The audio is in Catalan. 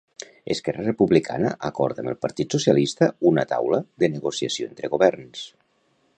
Esquerra Republicana acorda amb el Partit Socialista una taula de negociació entre governs.